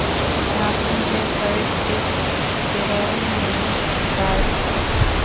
ناخن پہ قرض اس گرہ نیم باز کا